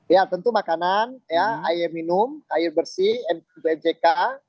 ya tentu makanan air minum air bersih npjk